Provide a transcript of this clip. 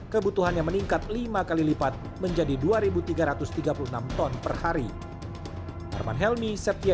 kebutuhannya meningkat lima kali lipat menjadi dua tiga ratus tiga puluh enam ton per hari